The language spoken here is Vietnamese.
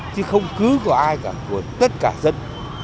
chứ không cứ của ai cả của tất cả dân